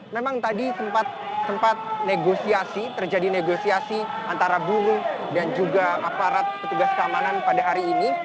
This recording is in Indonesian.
memang tadi sempat negosiasi terjadi negosiasi antara buruh dan juga aparat petugas keamanan pada hari ini